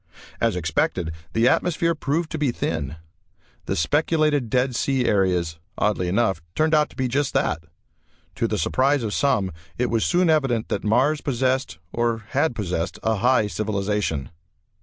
As expected the atmosphere proved to be thin. The speculated dead sea areas, oddly enough, turned out to be just that. To the surprise of some, it was soon evident that Mars possessed, or had possessed, a high civilization.